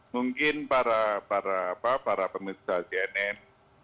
mungkin para pemirsa gnn